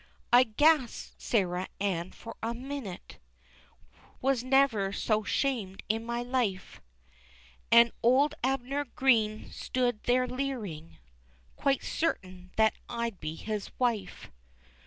I gasped, Sarah Ann, for a minute, Was never so shamed in my life, And old Abner Green stood there leering, Quite certain, that I'd be his wife.